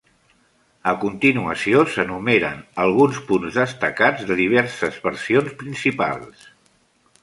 A continuació s'enumeren alguns punts destacats de diverses versions principals.